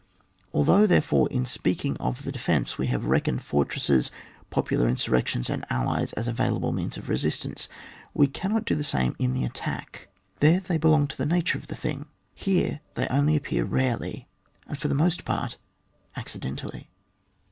Al though, therefore, in speaking of the defence we have reckoned fortresses, pop ular insurrections, and allies as available means of resistance ; we cannot do the same in the attack; there they belong to the nature of the thing ; here they only appear rarely, and for the most part acci dentally.